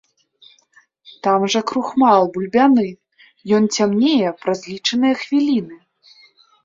Там жа крухмал бульбяны, ён цямнее праз лічаныя хвіліны.